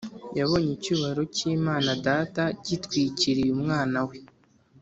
Yabonye icyubahiro cy’Imana Data gitwikiriye Umwana We